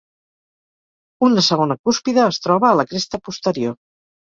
Una segona cúspide es troba a la cresta posterior.